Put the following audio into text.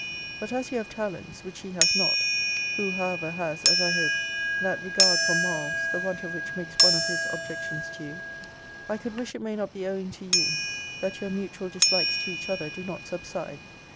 But as you have talents, which he has not, (who, however, has, as I hope, that regard for morals, the want of which makes one of his objections to you,) I could wish it may not be owing to you, that your mutual dislikes to each other do not subside!